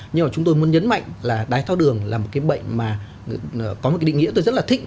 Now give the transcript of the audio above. nhưng mà chúng tôi muốn nhấn mạnh là đái tháo đường là một cái bệnh mà có một cái định nghĩa tôi rất là thích